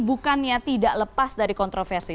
bukannya tidak lepas dari kontroversi